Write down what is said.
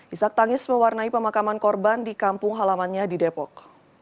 isak tangis mewarnai pemakaman korban di kampung halamannya di depok